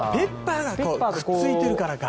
ペッパーがくっついてるからか。